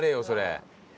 それ。